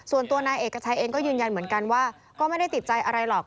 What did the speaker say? ส่วนตัวนายเอกชัยเองก็ยืนยันเหมือนกันว่าก็ไม่ได้ติดใจอะไรหรอก